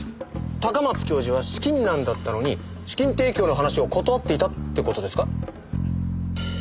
高松教授は資金難だったのに資金提供の話を断っていたって事ですか？